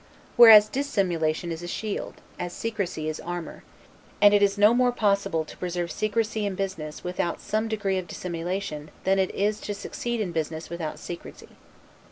Whereas dissimulation is a shield, as secrecy is armor; and it is no more possible to preserve secrecy in business, without same degree of dissimulation, than it is to succeed in business without secrecy.